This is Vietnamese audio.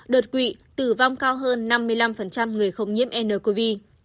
đột quỵ tử vong cao hơn năm mươi năm người không nhiễm ncov